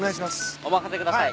お任せください。